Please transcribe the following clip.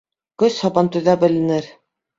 Көс һабантуйҙа беленер